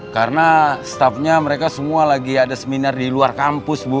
karena stafnya mereka semua lagi ada seminar di luar kampus bu